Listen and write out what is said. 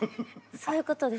そういうことです。